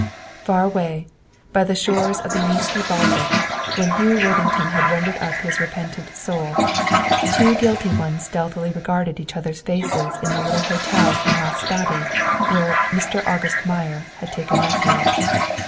Far away, by the shores of the yeasty Baltic, when Hugh Worthington rendered up his repentant soul, two guilty ones stealthily regarded each other's faces in the little hotel in Lastadie, where "Mr. August Meyer" had taken refuge.